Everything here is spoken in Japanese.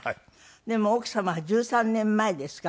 でも奥様は１３年前ですか？